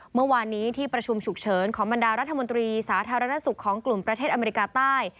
เมื่อวานนี้ที่ประชุมฉุกเฉินของบรรดารัฐมนตรีสาธารณสุขของกลุ่มประเทศอเมริกาใต้